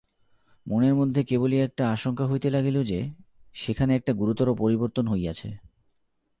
মনের মধ্যে কেবলই একটা আশঙ্কা হইতে লাগিল যে, সেখানে একটা গুরুতর পরিবর্তন হইয়াছে।